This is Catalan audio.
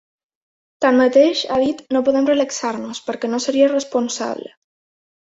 Tanmateix, ha dit, “no podem relaxar-nos” perquè “no seria responsable”.